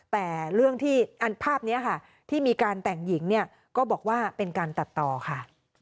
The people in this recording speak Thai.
แต่เรื่องที่ภาพนี้ค่ะที่มีการแต่งหญิงเนี่ยก็บอกว่าเป็นการตัดต่อค่ะ